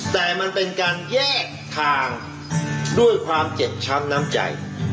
แต่มันเป็นการแยกทางด้วยความเจ็บช้ำน้ำใจ